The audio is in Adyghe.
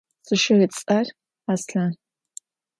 Sşşı ıts'er Aslhan.